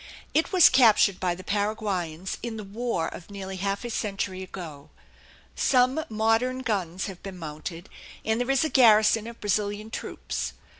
It was captured by the Paraguayans in the war of nearly half a century ago. Some modern guns have been mounted, and there is a garrison of Brazilian troops.